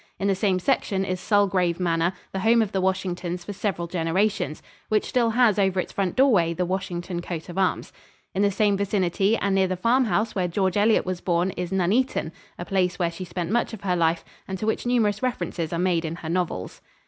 In the same section is Sulgrave Manor, the home of the Washingtons for several generations, which still has over its front doorway the Washington coat of arms. In the same vicinity and near the farmhouse where George Eliot was born is Nuneaton, a place where she spent much of her life and to which numerous references are made in her novels.